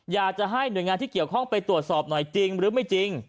อยากจะให้หน่วยงานที่เกี่ยวข้องไปตรวจสอบหน่อยจริงหรือไม่จริง